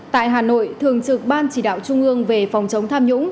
tại hà nội thường trực ban chỉ đạo trung ương về phòng chống tham nhũng